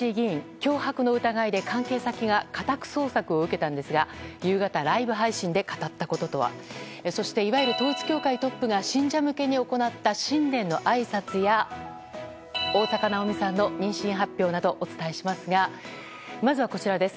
脅迫の疑いで関係先が家宅捜索を受けたんですが夕方ライブ配信で語ったこととは。そしていわゆる統一教会トップが信者向けに行った新年のあいさつや大坂なおみさんの妊娠発表などお伝えしますがまずはこちらです。